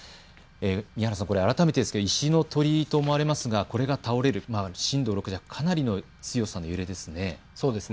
宮原さん、改めて石の鳥居と思われますがこれが倒れる、震度６弱、かなりの強さの揺れですね。